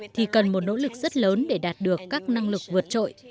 thì cần một nỗ lực rất lớn để đạt được các năng lực vượt trội